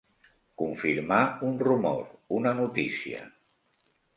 Confirmar un rumor, una notícia.